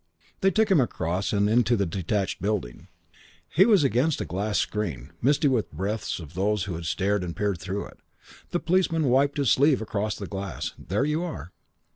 They took him across and into the detached building. He was against a glass screen, misty with breaths of those who had stared and peered through it. The policeman wiped his sleeve across the glass. "There you are."